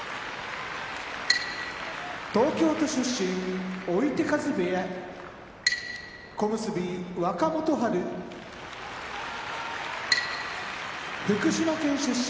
東京都出身追手風部屋小結・若元春福島県出身